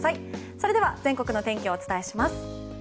それでは全国の天気をお伝えします。